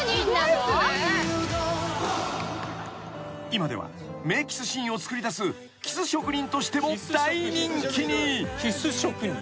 ［今では名キスシーンをつくりだすキス職人としても大人気に］